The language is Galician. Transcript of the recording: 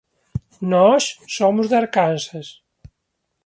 Nós somos de Arkansas.